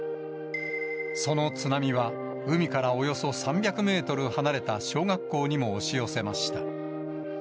その津波は、海からおよそ３００メートル離れた小学校にも押し寄せました。